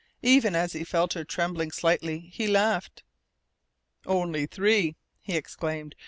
Even as he felt her trembling slightly he laughed. "Only three!" he exclaimed.